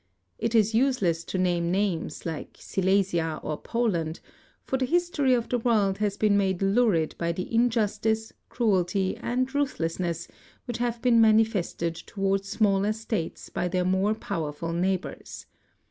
It is useless to name names, like Silesia or Poland, for the history of the world has been made lurid by the injustice, cruelty, and ruthlessness which have been manifested toward smaller states by their more powerful neighbors.